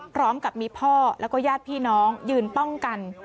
พร้อมกับมีพ่อแล้วก็ญาติพี่น้องยืนป้องกัน